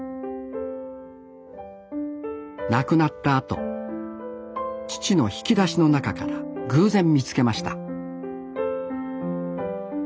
亡くなったあと父の引き出しの中から偶然見つけました